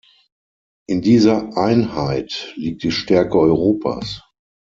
In dieser Einheit liegt die Stärke Europas.